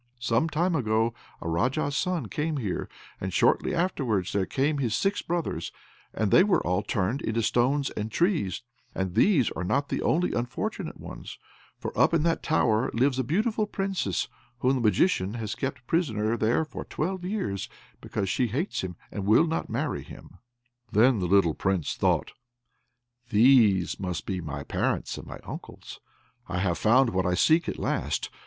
Some time ago a Raja's son came here, and shortly afterwards came his six brothers, and they were all turned into stones and trees; and these are not the only unfortunate ones, for up in that tower lives a beautiful Princess, whom the Magician has kept prisoner there for twelve years, because she hates him and will not marry him." Then the little Prince thought, "These must be my parents and my uncles. I have found what I seek at last."